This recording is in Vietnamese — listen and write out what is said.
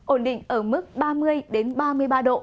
ổn định ở mức ba mươi ba mươi ba độ